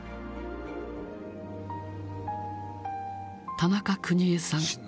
田中邦衛さん。